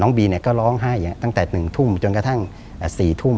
บีก็ร้องไห้ตั้งแต่๑ทุ่มจนกระทั่ง๔ทุ่ม